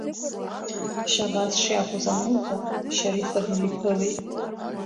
Шьабаҭ шиакәыз анылба Шьарифа, днеиԥылеит.